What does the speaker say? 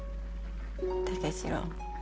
武四郎。